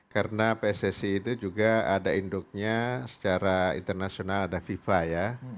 karena pssi itu juga ada induknya secara internasional ada viva ya